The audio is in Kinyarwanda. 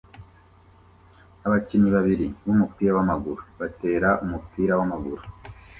abakinnyi babiri bumupira wamaguru batera umupira wamaguru